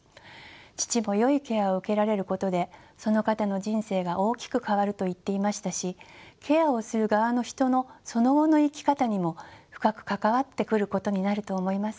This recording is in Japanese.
父もよいケアを受けられることでその方の人生が大きく変わると言っていましたしケアをする側の人のその後の生き方にも深く関わってくることになると思います。